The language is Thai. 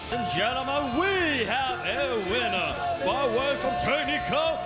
ทุกคนเรามีคำถามที่๕นาทีของเทคนิคเกิ้ล